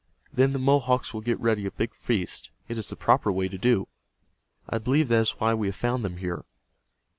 Then the Mohawks will get ready a big feast. It is the proper way to do. I believe that is why we have found them here."